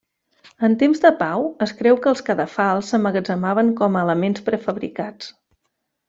En temps de pau, es creu que els cadafals s'emmagatzemaven com a elements prefabricats.